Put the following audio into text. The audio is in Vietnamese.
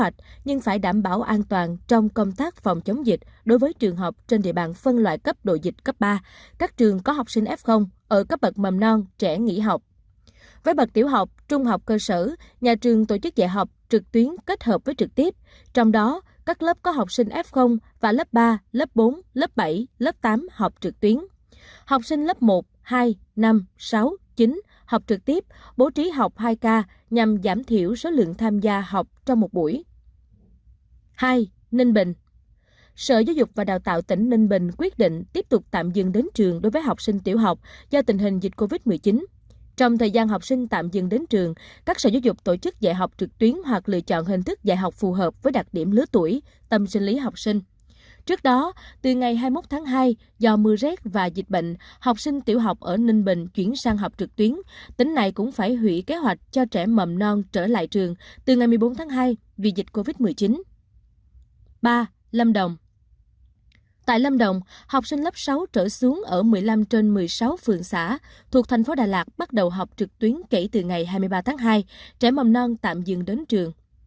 tại lâm đồng học sinh lớp sáu trở xuống ở một mươi năm trên một mươi sáu phường xã thuộc thành phố đà lạt bắt đầu học trực tuyến kể từ ngày hai mươi ba tháng hai trẻ mầm non tạm dừng đến trường